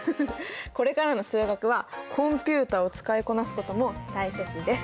これからの数学はコンピューターを使いこなすことも大切です。